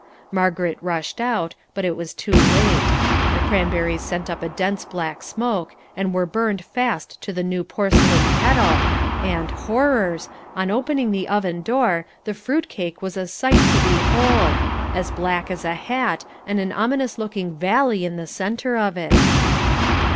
Margaret rushed out, but it was too late; the cranberries sent up a dense black smoke, and were burned fast to the new porcelain kettle, and, horrors! on opening the oven door, the fruit cake was a sight to behold as black as a hat, and an ominous looking valley in the centre of it!